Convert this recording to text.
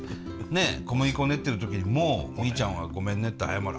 小麦粉練ってる時にもうみーちゃんはごめんねって謝る。